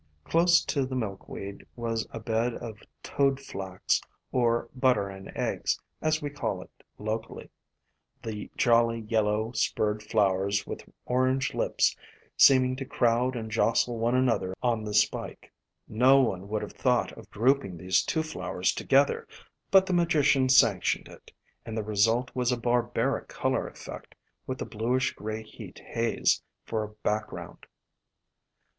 Close to the Milkweed was a bed of Toad Flax, or Butter and Eggs, as we call it locally, the jolly yellow spurred flowers with orange lips seeming to crowd and jostle one another on the spike. No one would have thought of grouping these two flowers together, but the Magician sanctioned it, and the result was a barbaric color effect, with the bluish gray heat haze for a background.